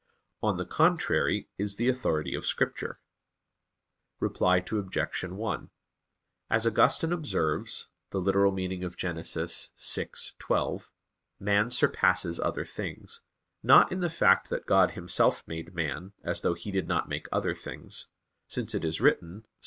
On the contrary, Is the authority of Scripture. Reply Obj. 1: As Augustine observes (Gen. ad lit. vi, 12), man surpasses other things, not in the fact that God Himself made man, as though He did not make other things; since it is written (Ps.